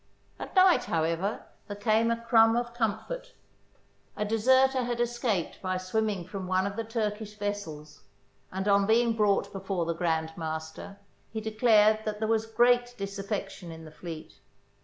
At night, however, there came a crumb of com fort. A deserter had escaped by swimming from one of the Turkish vessels, and on being brought before the Grand Master he declared that there was great disaffection in the fleet.